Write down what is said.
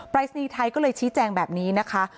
รายศนีย์ไทยก็เลยชี้แจงแบบนี้นะคะ